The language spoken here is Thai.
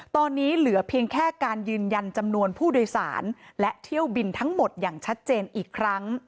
ตอนนี้เหลือเพียงแค่การยืนยันจำนวนผู้โดยสารและเที่ยวบินทั้งหมดอย่างชัดเจนอีกครั้ง